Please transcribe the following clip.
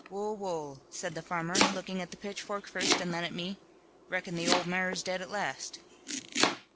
"Wull, wull," said the farmer, looking at the pitchfork first, and then at me, "Reckon the old mare's dead at last."